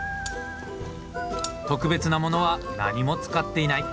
特別なものは何も使っていない。